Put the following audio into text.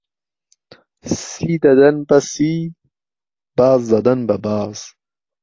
سی دهدەن بهسی باز دهدەن به باز